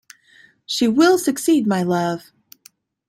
She will succeed, my love!